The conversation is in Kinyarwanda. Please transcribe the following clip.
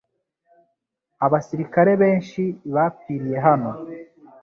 Abasirikare benshi bapfiriye hano .